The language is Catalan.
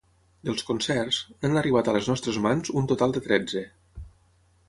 Dels concerts, n’han arribat a les nostres mans un total de tretze.